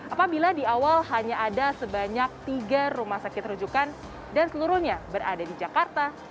apabila di awal hanya ada sebanyak tiga rumah sakit rujukan dan seluruhnya berada di jakarta